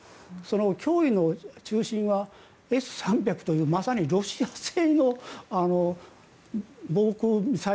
脅威の中心はＳ３００というまさにロシア製の防空システム